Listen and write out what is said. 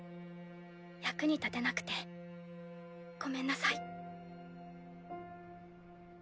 役に立てなくてごめんなさい。